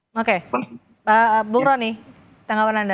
oke pak bu roni tanggapan anda